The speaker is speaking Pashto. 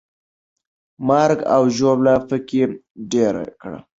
مرګ او ژوبله پکې ډېره کړه.